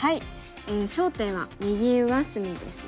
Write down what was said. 焦点は右上隅ですね。